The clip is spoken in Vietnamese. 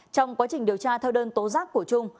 trong quá trình điều tra theo đơn tố giác của trung